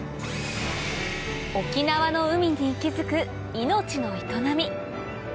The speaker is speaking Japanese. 沖縄の海に息づく命の営み